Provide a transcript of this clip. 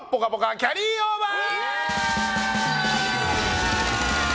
キャリーオーバー！